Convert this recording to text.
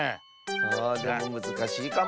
あでもむずかしいかも。